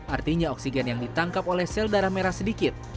artinya oksigen yang ditangkap oleh sel darah merah sedikit